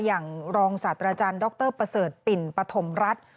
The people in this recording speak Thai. อย่างรองศาสตราจารย์ดรประเสริฐปิ่นปฐมรัฐ